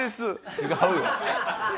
違うよ。